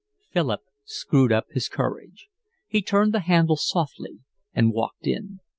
Philip screwed up his courage. He turned the handle softly and walked in.